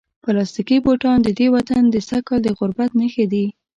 پلاستیکي بوټان د دې وطن د سږکال د غربت نښې دي.